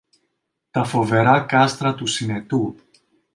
τα φοβερά κάστρα του Συνετού.